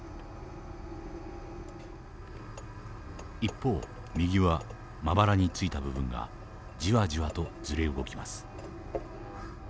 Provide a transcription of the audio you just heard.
一方右はまばらについた部分がじわじわとずれ動きます。